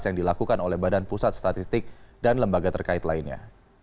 yang dilakukan oleh badan pusat statistik dan lembaga terkait lainnya